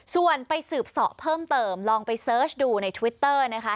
ส่วนไปสืบเสาะเพิ่มเติมลองไปเสิร์ชดูในทวิตเตอร์นะคะ